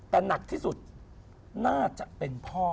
แต่หนักที่สุดน่าจะเป็นพ่อ